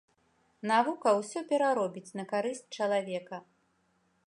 Навука ўсё пераробіць на карысць чалавека!